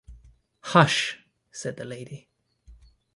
'Hush!’ said the lady.